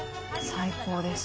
最高です。